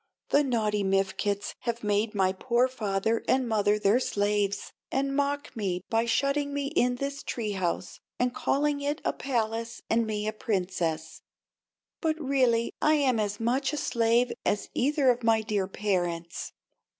"The naughty Mifkets have made my poor father and mother their slaves, and mock me by shutting me in this tree house and calling it a palace and me a Princess. But really I am as much a slave as either of my dear parents."